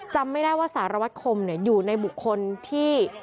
จำไม่ได้ว่าสารวัตรคมอยู่ในบุคคลที่